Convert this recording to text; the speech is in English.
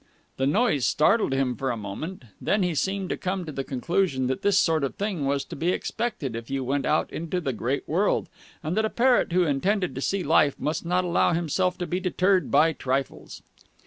The noise startled him for a moment, then he seemed to come to the conclusion that this sort of thing was to be expected if you went out into the great world and that a parrot who intended to see life must not allow himself to be deterred by trifles.